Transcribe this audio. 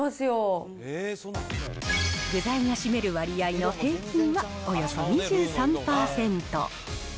具材が占める割合の平均はおよそ２３％。